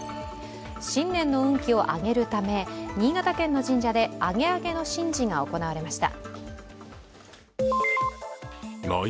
新年の運気をアゲるため新潟県の神社でアゲアゲの神事が行われました。